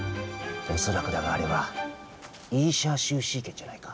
恐らくだがあれはイーシャーシューシー拳じゃないか？